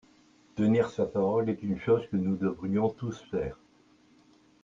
Tenir sa parole est une chose que nous devrions tous faire.